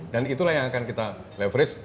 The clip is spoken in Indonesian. dan itulah yang akan kita leverage